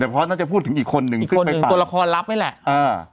แต่พอน่าจะพูดถึงอีกคนนึงคือคนหนึ่งตัวละครลับนี่แหละอ่า